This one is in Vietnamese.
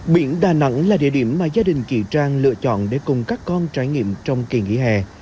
biển đà nẵng là địa điểm mà gia đình chị trang lựa chọn để cùng các con trải nghiệm trong kỳ nghỉ hè